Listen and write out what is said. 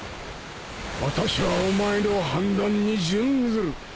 私はお前の判断に準ずる。